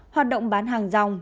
hoạt động bán hàng dòng